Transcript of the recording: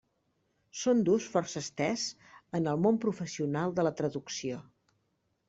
Són d'ús força estès en el món professional de la traducció.